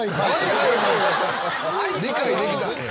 理解できたんや。